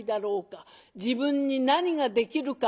自分に何ができるか。